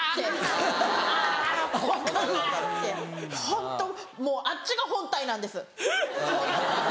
ホントもうあっちが本体なんですホントは。